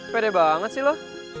pede banget sih lo